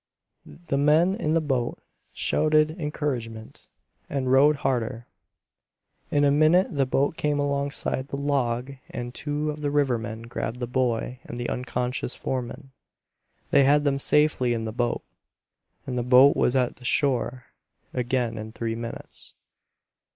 The men in the boat shouted encouragement, and rowed harder. In a minute the boat came alongside the log and two of the rivermen grabbed the boy and the unconscious foreman. They had them safely in the boat, and the boat was at the shore again in three minutes.